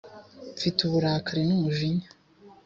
mfite uburakari n’umujinya